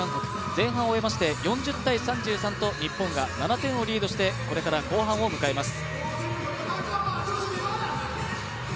前半を終えまして４０−３３と日本が７点をリードしてこれから後半を迎えます。